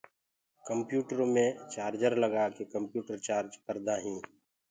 ڪمپيوٽرو مي چآرجر لگآ ڪي ڪمپيوٽر چآرج ڪردآ هين